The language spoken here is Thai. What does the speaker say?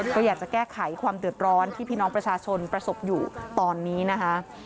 ก็อยากจะแก้ไขความเดือดร้อนที่พี่น้องประชาชนประสบอยู่ตอนนี้นะคะ